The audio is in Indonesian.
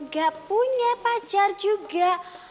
gak punya pacar juga